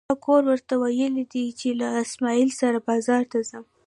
ما کور کې ورته ويلي دي چې له اسماعيل سره بازار ته ځم.